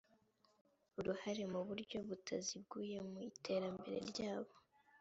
uruhare mu buryo butaziguye mu iterambere ryabo